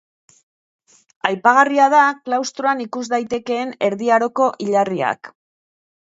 Aipagarria da klaustroan ikus daitekeen Erdi Aroko hilarriak.